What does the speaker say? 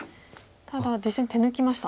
ただ実戦手抜きました。